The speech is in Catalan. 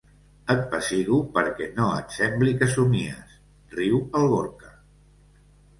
Et pessigo perquè no et sembli que somies —riu el Gorka—.